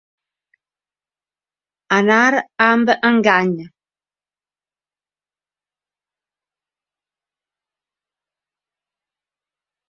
Anar amb engany.